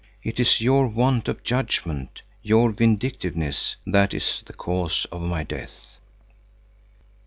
It is your want of judgment, your vindictiveness, that is the cause of my death.